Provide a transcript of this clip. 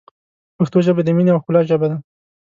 پښتو ژبه ، د مینې او ښکلا ژبه ده.